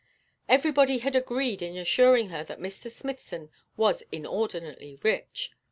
Everybody had agreed in assuring her that Mr. Smithson was inordinately rich.